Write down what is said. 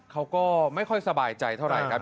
เขาก็ไม่ค่อยสบายใจเท่าไหร่ครับ